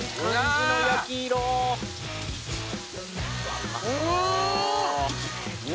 うわ！